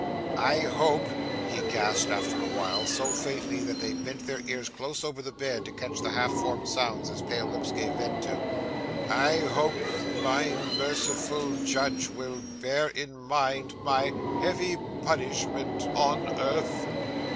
'I hope,' he gasped after a while, so faintly that they bent their ears close over the bed to catch the half formed sounds his pale lips gave vent to 'I hope my merciful Judge will bear in mind my heavy punishment on earth.